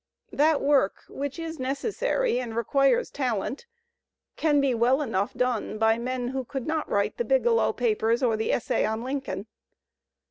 That work, which is necessary and requires talent, can be well enough done by men who could not write "The Biglow Papers" or the essay on Lincoln.